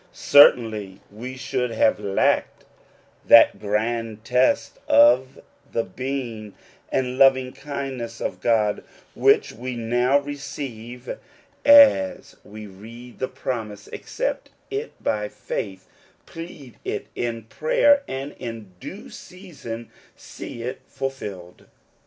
Certainly we should have lacked that grand test of the being and loving— kindness of God which we now receive as we read the promise, accept it by faith, plead it in prayer, and in due season see it fulfilled.